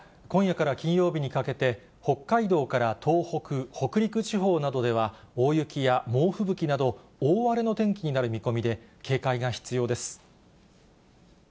今夜から金曜日にかけて、北海道から東北、北陸地方などでは、大雪や猛吹雪など、大荒れの天気になる見込みで、警戒が必要です。